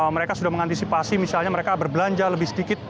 mereka sudah mengantisipasi misalnya mereka berbelanja lebih sedikit